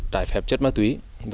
trải phép chất ma túy